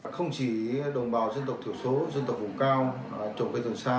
không chỉ đồng bào dân tộc thiểu số dân tộc vùng cao trồng cây dùng sa